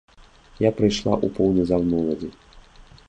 Я прыйшла ў поўны зал моладзі.